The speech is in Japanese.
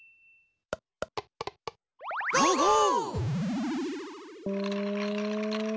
ゴーゴー！